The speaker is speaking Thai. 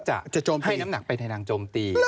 ให้น้ำหนักไปแทนังจมตี